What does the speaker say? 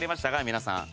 皆さん。